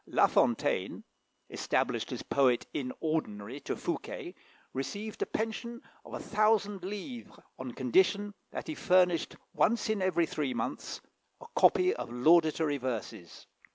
La Fontaine, established as poet in ordinary to Fouquet, received a pension of a thousand livres, on condition that he furnished, once in every three months, a copy of laudatory verses.